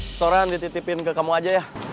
setoran dititipin ke kamu aja ya